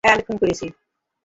হ্যাঁ আমি খুন করেছি।